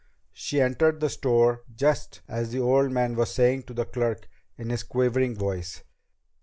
She entered the store just as the old man was saying to the clerk in his quavering voice